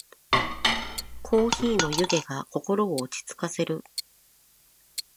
コーヒーの湯気が心を落ち着かせる。